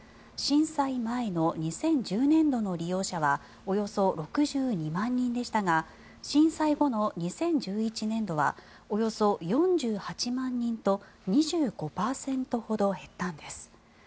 震災前の２０１０年度の利用者はおよそ６２万人でしたが震災後の２０１１年度はおよそ４８万人と２５％ほど減ったんです。